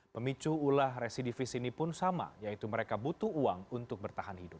pemicu ulah residivis ini pun sama yaitu mereka butuh uang untuk bertahan hidup